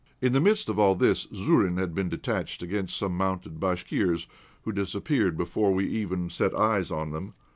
In the midst of all this Zourine had been detached against some mounted Bashkirs, who dispersed before we even set eyes on them.